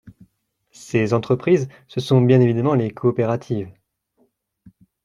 Ces entreprises, ce sont bien évidemment les coopératives.